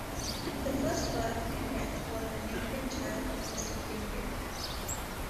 The first birth and death, was an infant child of Mr. Kimbrick.